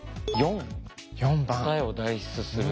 ４「答えを代筆する」。